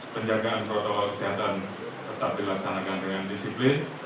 penjagaan protokol kesehatan tetap dilaksanakan dengan disiplin